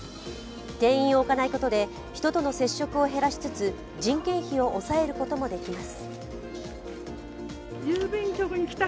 店員を置かないことで人との接触を減らしつつ人件費を抑えることもできます。